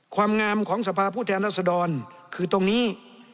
ความงามของสภาพผู้แทนรัศดรคือตรงนี้